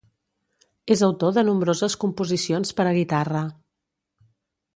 És autor de nombroses composicions per a guitarra.